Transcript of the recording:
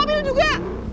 mau naik mobil juga